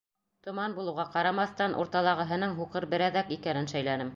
Томан булыуға ҡарамаҫтан, урталағыһының һуҡыр берәҙәк икәнен шәйләнем.